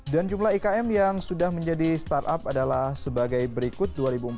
dan jumlah ikm yang sudah menjadi startup adalah sebagai berikut